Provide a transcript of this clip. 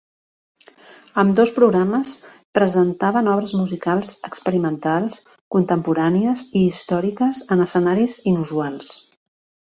Ambdós programes presentaven obres musicals experimentals contemporànies i històriques en escenaris inusuals.